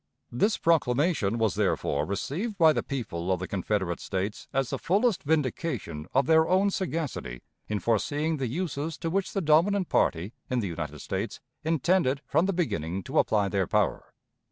This proclamation was therefore received by the people of the Confederate States as the fullest vindication of their own sagacity in foreseeing the uses to which the dominant party in the United States intended from the beginning to apply their power.